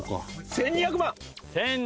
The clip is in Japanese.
１２００万。